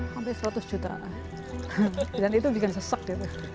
hampir seratus juta dan itu bikin sesak gitu